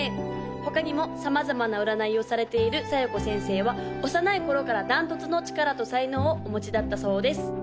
他にも様々な占いをされている小夜子先生は幼い頃から断トツの力と才能をお持ちだったそうです